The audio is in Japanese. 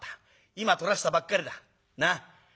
今取らしたばっかりだ。なあ。